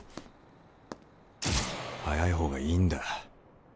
早い方がいいんだ。